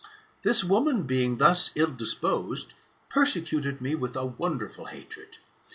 This woman, being thus ill disposed, persecuted me with a wonderful hatred.